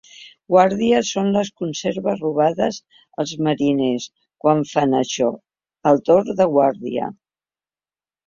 Guàrdia són les converses robades als mariners quan fan això, el torn de guàrdia.